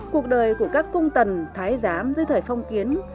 cuộc đời của các cung tần thái giám dưới thời phong kiến